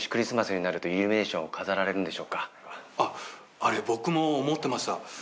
あれ僕も思ってました。